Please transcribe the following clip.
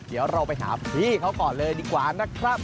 เดี๋ยวเราไปถามพี่เขาก่อนเลยดีกว่านะครับ